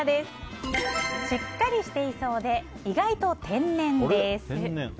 しっかりしていそうで意外と天然です！